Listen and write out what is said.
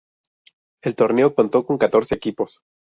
El torneo contó con catorce equipos.